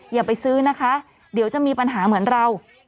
อย่าไปซื้อนะคะเดี๋ยวจะมีปัญหาเหมือนเรา